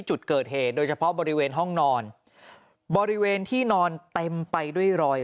จุดเกิดเหตุโดยเฉพาะบริเวณห้องนอนบริเวณที่นอนเต็มไปด้วยรอย